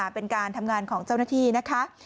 เป็นการทำงานของเจ้าหน้าที่นะคะ